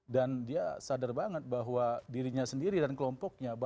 dan dia sadar banget bahwa dirinya sendiri dan kelompoknya